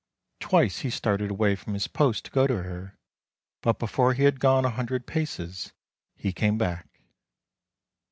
Twice he started away from his post to go to her, but before he had gone a hundred paces he came back.